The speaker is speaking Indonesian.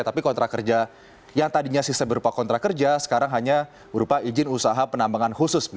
tapi kontrak kerja yang tadinya sistem berupa kontrak kerja sekarang hanya berupa izin usaha penambangan khusus